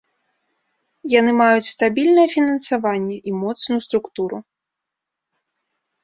Яны маюць стабільнае фінансаванне і моцную структуру.